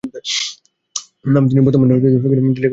তিনি বর্তমানে নাস ডেইলি কর্পোরেশন পরিচালনা করেন।